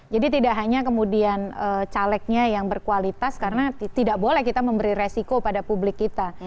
jadi tidak hanya kemudian calegnya yang berkualitas karena tidak boleh kita memberi resiko pada publik kita